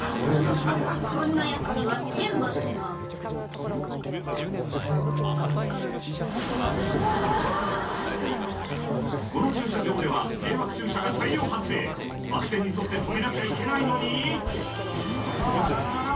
こんなヤツには天罰がこの駐車場では迷惑駐車が大量発生白線に沿って止めなきゃいけないのにあらあらららら？